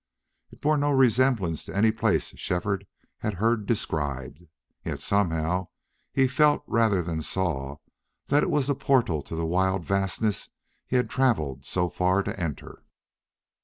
It bore no resemblance to any place Shefford had heard described, yet somehow he felt rather than saw that it was the portal to the wild vastness he had traveled so far to enter.